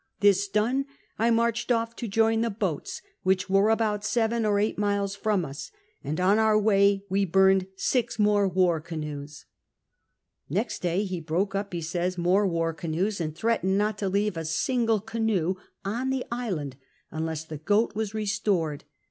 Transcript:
This done, 1 marched off to join the boats, whicli were about seven or eight miles from us ; and on our way we burned six more war canoes.'' Nexe <lay ho broke u}), he says, more war canoes, and threatened not to leave a single canoe on the island unless the goat was restored.